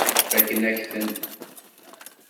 Fakken-ak-ten.